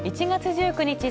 １月１９日